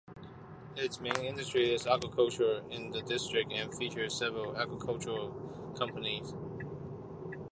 Its main industry is agriculture in the district and features several agricultural companies.